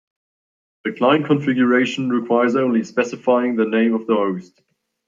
The client configuration requires only specifying the name of the host.